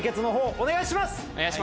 お願いします。